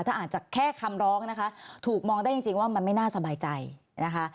ถ้าอ่านจากแค่คำร้องนะคะถูกมองได้จริงว่ามันไม่น่าสบายใจนะคะ